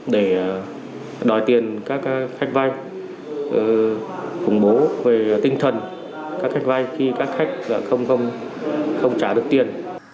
để đòi tiền các khách vay khủng bố về tinh thần các khách vay khi các khách không trả được tiền